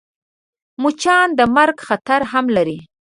مچان د مرګ خطر هم لري